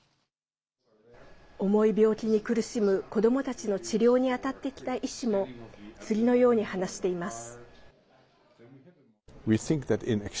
重い病気に苦しむ子どもたちの治療に当たってきた医師も次のように話しています。